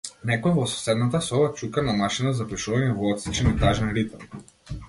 Некој во соседната соба чука на машина за пишување во отсечен и тажен ритам.